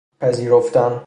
پذیرفتن